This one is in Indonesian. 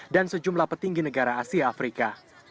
dan sejumlah petinggi negara asia afrika